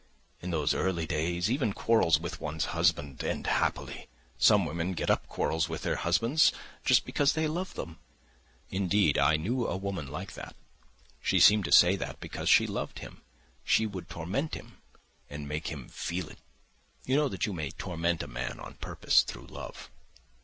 In those early days even quarrels with one's husband end happily. Some women get up quarrels with their husbands just because they love them. Indeed, I knew a woman like that: she seemed to say that because she loved him, she would torment him and make him feel it. You know that you may torment a man on purpose through love.